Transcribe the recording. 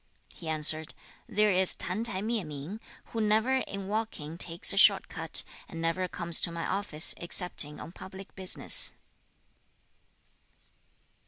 He answered, 'There is Tan t'ai Mieh ming, who never in walking takes a short cut, and never comes to my office, excepting on public business.'